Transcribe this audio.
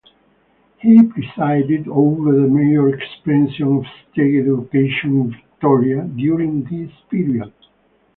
He presided over the major expansion of state education in Victoria during this period.